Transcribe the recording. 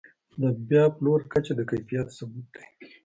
د بیا پلور کچه د کیفیت ثبوت دی.